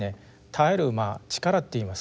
耐える力って言いますか